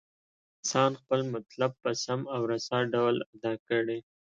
انسان خپل مطلب په سم او رسا ډول ادا کړي.